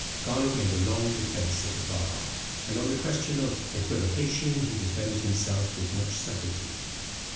Garnet made a long defence at the bar; and on the question of equivocation he defended himself with much subtilty.